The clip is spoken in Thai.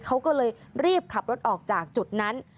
เขาก็เลยรีบขับรถออกจากจุดนั้น